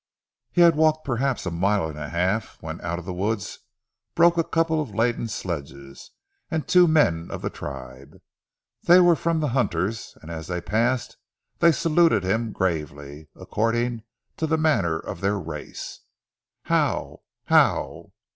He had walked perhaps a mile and a half, when out of the woods broke a couple of laden sledges, and two men of the tribe. They were from the hunters, and as they passed they saluted him gravely, according to the manner of their race. "How! How!"